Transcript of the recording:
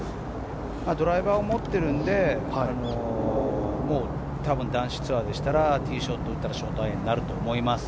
ドライバーを持っているので多分、男子ツアーでしたらティーショットを打ったらショートアイアンになると思います。